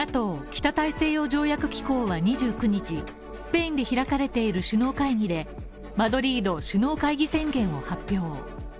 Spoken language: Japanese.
ＮＡＴＯ＝北大西洋条約機構は２９日スペインで開かれている首脳会議でマドリード首脳会議宣言を発表。